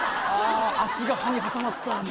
あ脚が歯に挟まった。